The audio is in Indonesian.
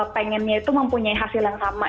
pengennya itu mempunyai hasil yang sama